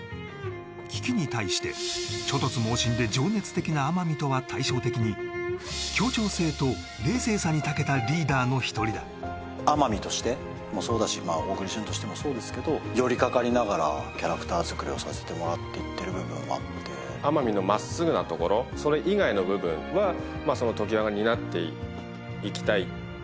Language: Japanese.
危機に対して猪突猛進で情熱的な天海とは対照的に協調性と冷静さにたけたリーダーの１人だ天海としてもそうだし小栗旬としてもそうですけど寄りかかりながらキャラクター作りをさせてもらっていってる部分もあって天海のまっすぐなところそれ以外の部分はその常盤が担っていきたい